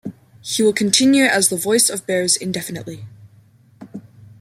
He will continue as the voice of the Bears indefinitely.